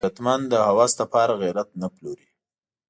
غیرتمند د هوس د پاره غیرت نه پلوري